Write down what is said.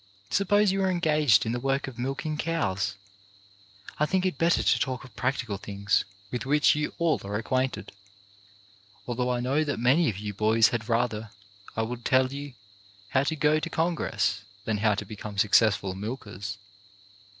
Sup pose you are engaged in the work of milking cows — I think it better to talk of practical things with which you all are acquainted, although I know that many of you boys had rather I would tell you how to go to Congress than how to become suc cessful milkers.